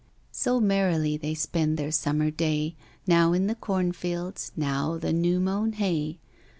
So merrily they spend their summer day, Now in the cornfields, now the new mown hay.